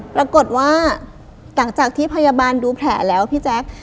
ปรากฏว่าหลังจากที่พยาบาลดูแผลแล้วพี่แจ๊ค